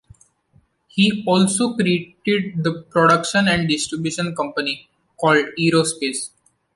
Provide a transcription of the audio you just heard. He also created the production and distribution company called Eurospace.